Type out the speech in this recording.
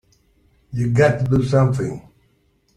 You've got to do something!